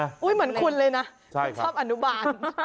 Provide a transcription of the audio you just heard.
เหมือนคุณเลยนะชอบอนุบาล